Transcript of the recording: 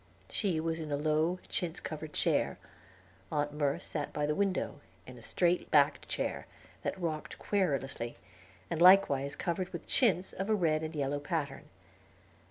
She was in a low, chintz covered chair; Aunt Merce sat by the window, in a straight backed chair, that rocked querulously, and likewise covered with chintz, of a red and yellow pattern.